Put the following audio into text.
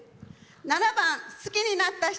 ７番「好きになった人」。